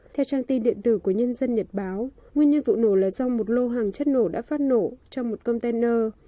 theo trang tin điện tử của nhân dân nhật báo nguyên nhân vụ nổ là do một lô hàng chất nổ đã phát nổ trong một container